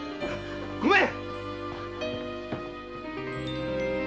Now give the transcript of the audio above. ごめん‼